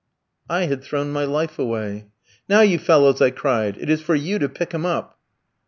"I had thrown my life away. "'Now, you fellows,' I cried, 'it is for you to pick him up.'"